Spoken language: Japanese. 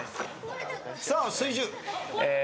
さあ水１０。